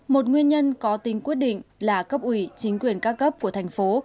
một nguyên nhân có tính quyết định là cấp ủy chính quyền ca cấp của thành phố